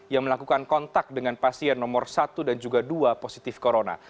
yang melakukan kontak dengan pasien nomor satu dan juga dua positif corona